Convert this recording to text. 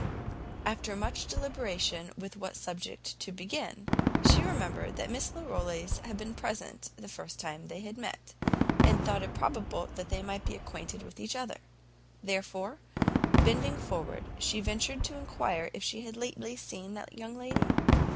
After much deliberation with what subject to begin, she remembered that Miss Larolles had been present the first time they had met, and thought it probable they might be acquainted with each other; and therefore, bending forward, she ventured to enquire if she had lately seen that young lady?